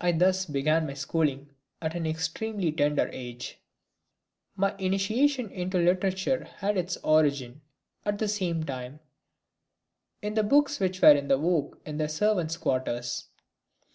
I thus began my schooling at an extremely tender age. My initiation into literature had its origin, at the same time, in the books which were in vogue in the servants' quarters.